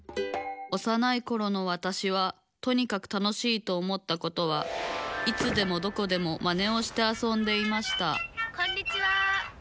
おさないころのわたしはとにかく楽しいと思ったことはいつでもどこでもマネをしてあそんでいましたこんにちは。